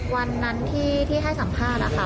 วันนั้นที่ให้สัมภาษณ์นะคะ